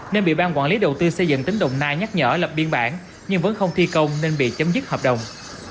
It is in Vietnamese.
nên bị ban quản lý đầu tư xây dựng tỉnh đồng nai nhắc nhở lập biên bản nhưng vẫn không thi công nên bị chấm dứt hợp đồng